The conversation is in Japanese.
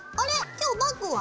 今日バッグは？